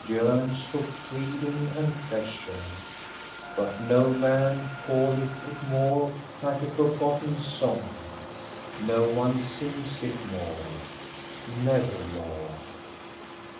Yearns for freedom and pleasure. But no man calleth it more like a forgotten song ; No one sings it more, — nevermore.